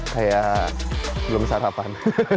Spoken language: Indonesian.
kayak belum sarapan